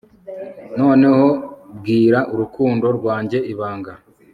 noneho bwira urukundo rwanjye ibanga